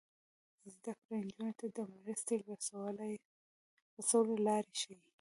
زده کړه نجونو ته د مرستې رسولو لارې ښيي.